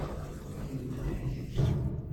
Fakken-ak-t.